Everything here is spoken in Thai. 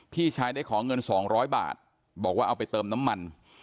พี่ชายได้ขอเงิน๒๐๐บาทบอกว่าเอาไปเติมน้ำมัน